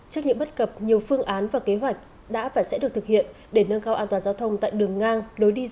trước những bất cập nhiều phương án và kế hoạch đã và sẽ được thực hiện để nâng cao an toàn giao thông tại đường ngang lối đi xa